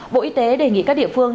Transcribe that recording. bộ y tế đề nghị các địa phương